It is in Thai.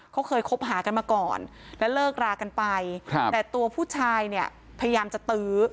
เขาเคยคบหากันมาก่อนและเลิกรากันไปแต่ตัวผู้ชายเนี่ยพยายามจะตื้อ